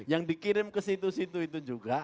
yang dikirim ke situ situ itu juga